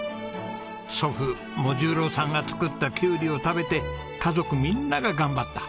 祖父茂重郎さんが作ったキュウリを食べて家族みんなが頑張った。